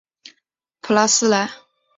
普拉斯莱。